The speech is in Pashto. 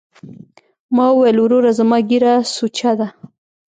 ما وويل وروره زما ږيره سوچه ده.